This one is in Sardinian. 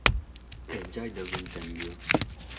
Eh, giai l’amus intesu.